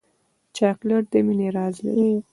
چاکلېټ د مینې راز لري.